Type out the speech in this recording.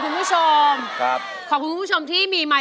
ด้านล่างเขาก็มีความรักให้กันนั่งหน้าตาชื่นบานมากเลยนะคะ